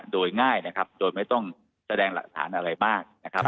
โดยง่ายโดยไม่ต้องแสดงหลักฐานอะไรบ้าง